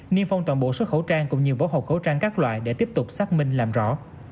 niêm phong toàn bộ số khẩu trang cũng như bỏ hộp khẩu trang các loại để tiếp tục xác minh làm rõ